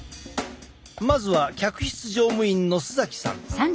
まずは客室乗務員の洲崎さん。